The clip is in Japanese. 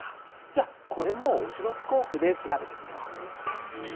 じゃこれもオシロスコープで調べてみよう。